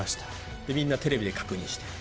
みんなテレビで確認して。